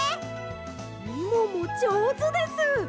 みももじょうずです！